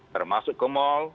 termasuk ke mall